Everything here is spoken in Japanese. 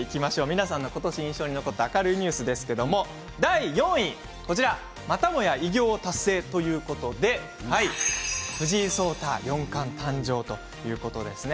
皆さんのことし印象に残った明るいニュースですけれども第４位またもや偉業を達成ということで藤井聡太四冠の誕生ということですね。